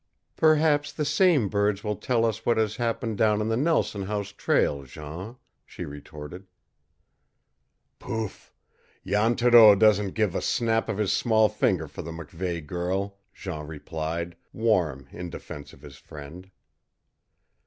"Perhaps the same birds will tell us what has happened down on the Nelson House trail, Jean," she retorted. "Pouf! Jan Thoreau doesn't give the snap of his small finger for the MacVeigh girl!" Jean replied, warm in defense of his friend.